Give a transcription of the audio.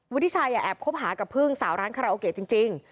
ทิชัยแอบคบหากับพึ่งสาวร้านคาราโอเกะจริง